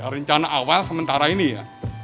rencana awal sementara ini ya